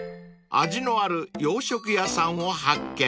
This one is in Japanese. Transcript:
［味のある洋食屋さんを発見］